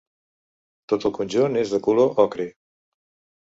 Tot el conjunt és de color ocre.